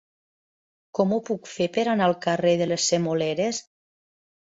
Com ho puc fer per anar al carrer de les Semoleres?